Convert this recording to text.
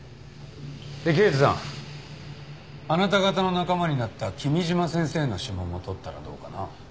刑事さんあなた方の仲間になった君嶋先生の指紋も採ったらどうかな？